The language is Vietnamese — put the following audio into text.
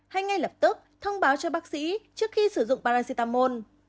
hay ngay lập tức thông báo cho bác sĩ trước khi sử dụng paracetamol